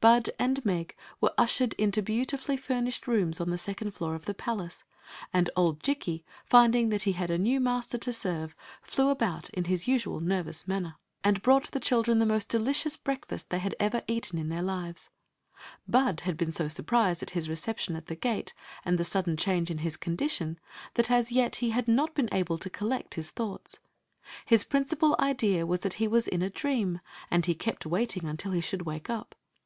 Bud and Meg were ushered into beautifully fur nished rooms on the second floor of the palace, and old Jikki, finding thai he had a new smter to serve, flew abmtt in h» imd mrwom manner, 9ai brought 56 O^een Zixi of Ix; or, the the children the most delicious breakfast they had ever eaten in their lives. Bud had been so surprised at his reception at the gate and the sudden change in his condition that as yet he had not been able to collect his thoughts. His principal idea was that he was in a dream, and he kept waiting until he should wake up.